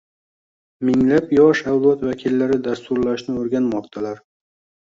minglab yosh avlod vakillari dasturlashni oʻrganmoqdalar.